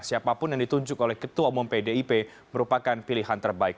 siapapun yang ditunjuk oleh ketua umum pdip merupakan pilihan terbaik